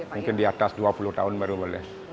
mungkin di atas dua puluh tahun baru boleh